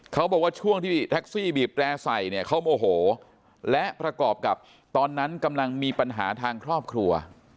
เขาบอกว่าช่วงที่แท็กซี่บีบแร่ใส่เนี่ยเขาโมโหและประกอบกับตอนนั้นกำลังมีปัญหาทางครอบครัว